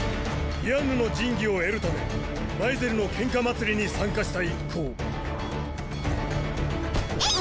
ディアンヌの神器を得るためバイゼルの喧嘩祭りに参加した一行えい！